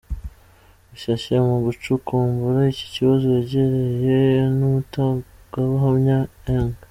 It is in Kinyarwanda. Rushyashya mu gucukumbura iki kibazo yegereye n’umutangabuhamya ,Eng.